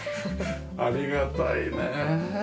ありがたいねえ。